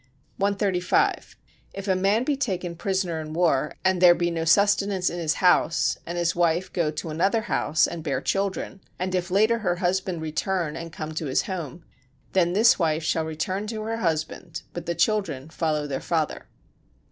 135. If a man be taken prisoner in war and there be no sustenance in his house and his wife go to another house and bear children; and if later her husband return and come to his home: then this wife shall return to her husband, but the children follow their father.